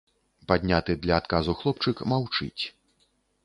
Падняты для адказу хлопчык маўчыць.